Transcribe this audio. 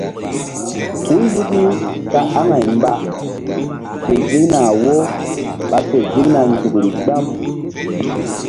Huy luki ta aŋay mba fe ziŋna wo ɓa fe ziŋna nzukri gbam.